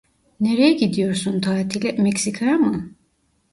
Nereye gidiyorsun tatile, Meksika'ya mı?